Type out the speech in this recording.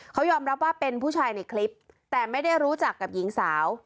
เขายอมรับว่าเป็นผู้ชายในคลิปแต่ไม่ได้รู้จักกับหญิงสาว